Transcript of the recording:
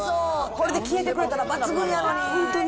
これで消えてくれたら抜群やのに。